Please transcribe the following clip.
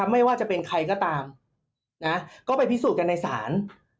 ไม่ว่าจะเป็นใครก็ตามก็ไปพิสูจน์กันในศาล